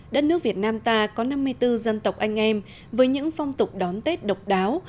đất nước việt nam ta có năm mươi bốn dân tộc anh em với những phong tục đón tết độc đáo